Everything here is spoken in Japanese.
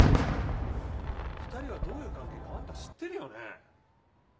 ２人はどういう関係かあんた知ってるよね？